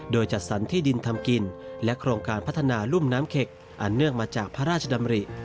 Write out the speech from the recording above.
โดยจัดสรรที่ดินทำกินและโครงการพัฒนารุ่มน้ำเข็กอันเนื่องมาจากพระราชดำริ